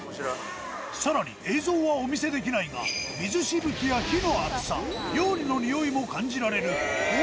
さらに映像はお見せできないが水しぶきや火の熱さ料理のにおいも感じられるキャ！